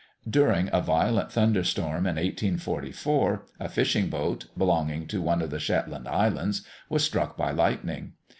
During a violent thunder storm in 1844, a fishing boat, belonging to one of the Shetland Islands, was struck by lightning.